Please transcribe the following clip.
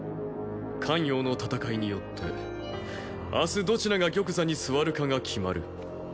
咸陽の戦いによって明日どちらが玉座に座るかが決まる。